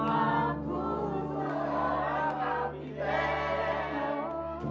aku seorang jelajah